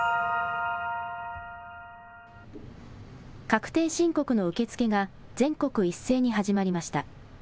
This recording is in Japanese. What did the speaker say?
確定申告の受け付けが全国一斉に始まりました。